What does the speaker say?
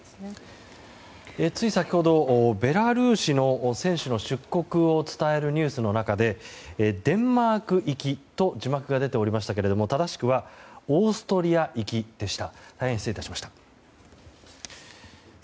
つい先ほどベラルーシの選手の出国を伝えるニュースの中でデンマーク行きと字幕が出ておりましたが正しくはオーストリア行きでした。